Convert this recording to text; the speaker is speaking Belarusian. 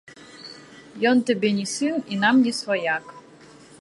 Ён табе не сын і нам не сваяк.